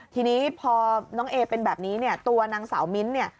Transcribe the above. ทีนี้พอน้องเอเป็นแบบนี้เนี่ยตัวนางสาวมิ้นท์เนี่ย